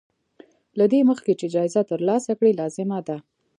له دې مخکې چې جايزه ترلاسه کړې لازمه ده.